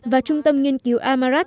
và trung tâm nghiên cứu amarat